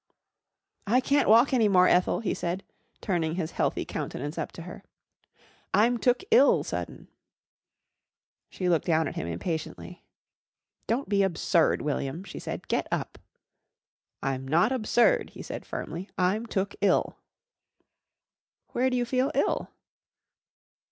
"I can't walk any more, Ethel," he said, turning his healthy countenance up to her. "I'm took ill sudden." She looked down at him impatiently. "Don't be absurd, William," she said. "Get up." "I'm not absurd," he said firmly. "I'm took ill." "Where do you feel ill?"